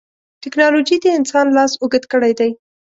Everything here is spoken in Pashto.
ټکنالوجي د انسان لاس اوږد کړی دی.